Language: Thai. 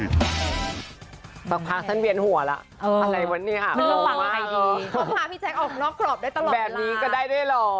เอาอันนี้พี่แจ้งออกล็อคกรอบได้ตลอด